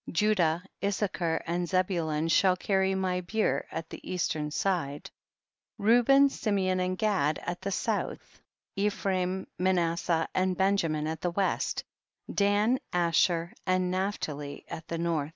12. Judah, Issachar and Zebulun shall carry my bier at the eastern side ; Reuben, Simeon and Gad at the south, Ephraim, Manasseh and Benjamin at the west, Dan, Asher and Naphtali at the north.